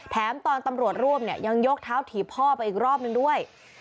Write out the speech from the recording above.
ตอนตำรวจร่วมเนี่ยยังยกเท้าถีบพ่อไปอีกรอบนึงด้วย